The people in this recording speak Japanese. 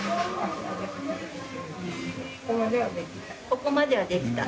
ここまではできた。